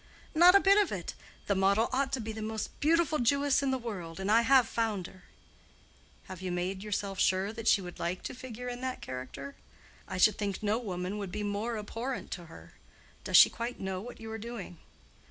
"Not a bit of it. The model ought to be the most beautiful Jewess in the world, and I have found her." "Have you made yourself sure that she would like to figure in that character? I should think no woman would be more abhorrent to her. Does she quite know what you are doing?"